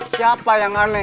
siapa yang aneh